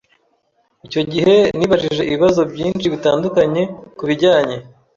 icyo gihe nibajije ibibazo byinshi bitandukanye ku bijyanye